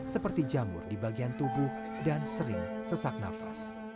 seperti jamur di bagian tubuh dan sering sesak nafas